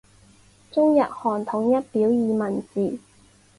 中日韩统一表意文字。